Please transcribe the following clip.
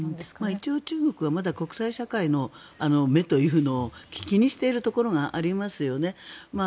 一応、中国はまだ国際社会の目というのを気にしているところがありますよね。